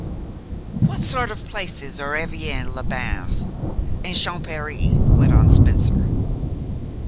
"What sort of places are Evian les Bains and Champèry?" went on Spencer.